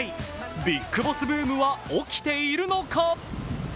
ビッグボスブームは起きているのか？